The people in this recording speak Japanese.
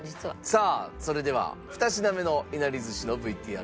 さあそれでは２品目のいなり寿司のＶＴＲです。